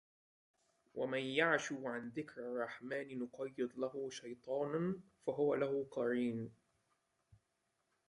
وَمَن يَعشُ عَن ذِكرِ الرَّحمنِ نُقَيِّض لَهُ شَيطانًا فَهُوَ لَهُ قَرينٌ